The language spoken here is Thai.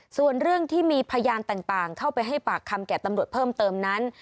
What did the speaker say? ส่วนเรื่องที่มีพยานต่างเข้าไปให้ปากคำแก่ตำรวจเพิ่มเติมนั้น